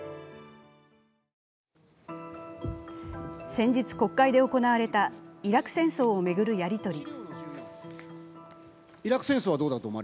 先日、国会で行われたイラク戦争を巡るやり取り。